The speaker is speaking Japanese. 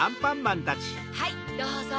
はいどうぞ。